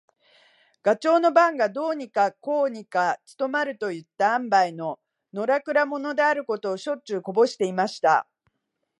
ガチョウの番がどうにかこうにか務まるといった塩梅の、のらくら者であることを、しょっちゅうこぼしていました。